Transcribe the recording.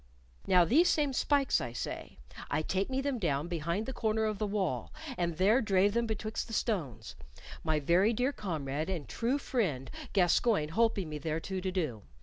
"Now these same spikes, I say, I take me them down behind the corner of the wall, and there drave them betwixt the stones, my very dear comrade and true friend Gascoyne holping me thereto to do.